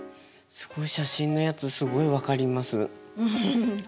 すごい写真のやつすごい分かります。